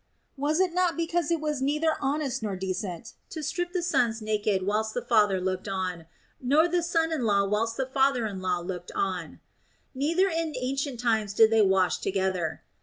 Was it not because it was neither honest nor decent to strip the sons naked whilst the father looked on, nor the son in law whilst the father in law looked on ? Neither in ancient times did they wash together.